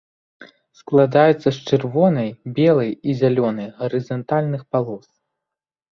Складаецца з чырвонай, белай і зялёнай гарызантальных палос.